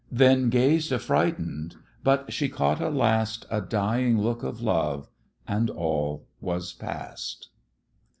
Then gazed affrighten'd; but she caught a last, A dying look of love, and all was past!